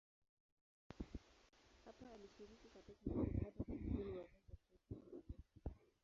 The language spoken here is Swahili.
Hapa alishiriki katika jitihada za kubuni mavazi ya kitaifa ya Tanganyika.